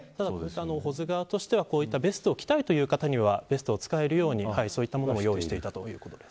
保津川としてはベストを着たいという方にはベストを使えるように用意していたということです。